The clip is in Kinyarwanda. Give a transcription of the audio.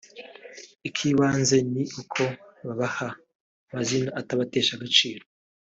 ikibanze ni uko babaha amazina atabatesha agaciro